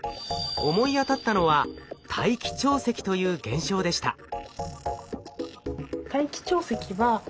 思い当たったのは大気潮汐という現象でした。